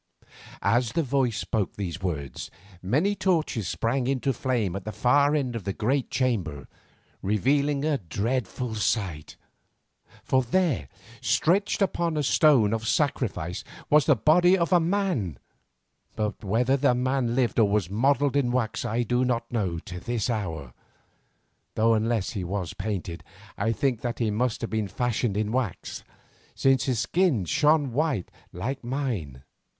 As the voice spoke these words, many torches sprang into flame at the far end of the great chamber, revealing a dreadful sight. For there, stretched upon a stone of sacrifice, was the body of a man, but whether the man lived or was modelled in wax I do not know to this hour, though unless he was painted, I think that he must have been fashioned in wax, since his skin shone white like mine.